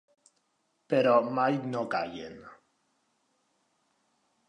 Però mai no callen.